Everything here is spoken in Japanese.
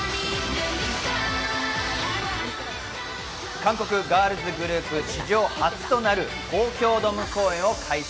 韓国ガールズグループ史上初となる東京ドーム公演を開催。